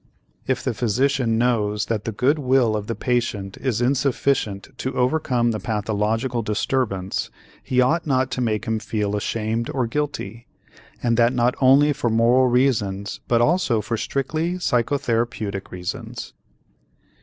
If the physician knows that the good will of the patient is insufficient to overcome the pathological disturbance, he ought not to make him feel ashamed or guilty, and that not only for moral reasons but also for strictly psychotherapeutic reasons.